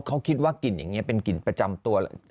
เขาคิดว่ากลิ่นอย่างนี้เป็นกลิ่นประจำตัว